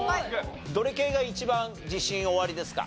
どれ系が一番自信おありですか？